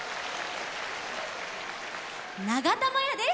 ながたまやです。